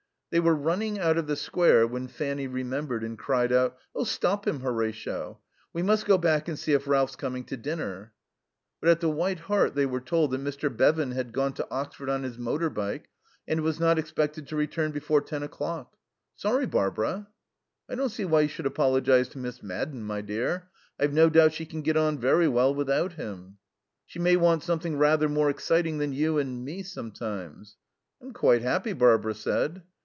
They were running out of the Square when Fanny remembered and cried out, "Oh, stop him, Horatio. We must go back and see if Ralph's coming to dinner." But at the White Hart they were told that Mr. Bevan had "gone to Oxford on his motor bike" and was not expected to return before ten o'clock. "Sorry, Barbara." "I don't see why you should apologize to Miss Madden, my dear. I've no doubt she can get on very well without him." "She may want something rather more exciting than you and me, sometimes." "I'm quite happy," Barbara said.